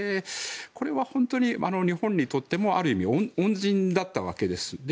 これは本当に日本にとってもある意味、恩人だったわけです。